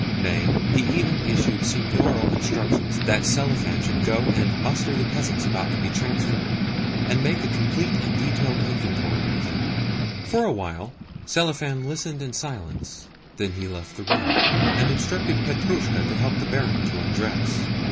Nay, he even issued seignorial instructions that Selifan should go and muster the peasants about to be transferred, and make a complete and detailed inventory of them. For a while Selifan listened in silence; then he left the room, and instructed Petrushka to help the barin to undress.